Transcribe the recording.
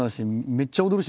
めっちゃ踊るし。